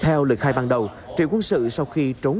theo lệnh khai ban đầu triệu quân sự sau khi trốn vào đối tượng